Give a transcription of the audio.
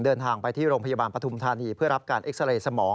เดินทางไปที่โรงพยาบาลปฐุมธานีเพื่อรับการเอ็กซาเรย์สมอง